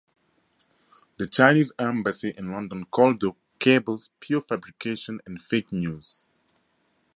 The Chinese embassy in London called the cables "pure fabrication" and "fake news".